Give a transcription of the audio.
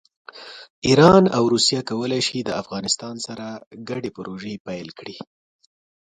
ایران او روسیه کولی شي د افغانستان سره ګډې پروژې پیل کړي.